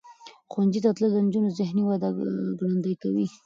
ښوونځي ته تلل د نجونو ذهنی وده ګړندۍ کوي.